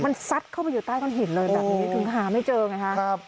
มันซัดเข้าไปอยู่ใต้ก้อนหินเลยแบบนี้ถึงหาไม่เจอไงฮะ